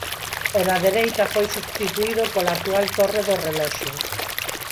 O da dereita foi substituído pola actual torre do reloxo.